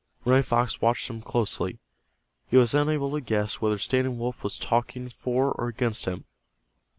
Running Fox watched him closely. He was unable to guess whether Standing Wolf was talking for or against him.